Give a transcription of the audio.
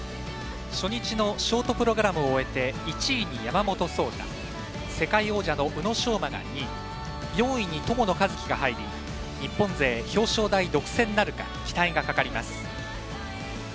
初日のショートプログラムを終えて１位に山本草太世界王者の宇野昌磨が２位４位に友野一希が入り日本勢、表彰台独占なるか期待がかかります。